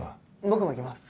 僕も行きます。